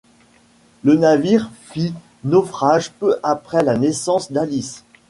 Le navire fit naufrage peu après la naissance d'Alice.